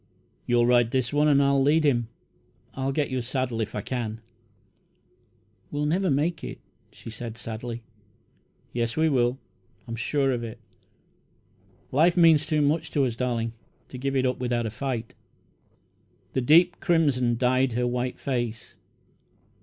"You'll ride this one, and I'll lead him. I'll get your saddle if I can." "We'll never make it," she said sadly. "Yes, we will I'm sure of it. Life means too much to us, darling, to give it up without a fight." The deep crimson dyed her white face.